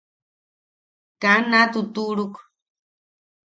Kaa na tutuʼuruk.